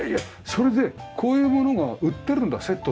それでこういうものが売ってるんだセットで。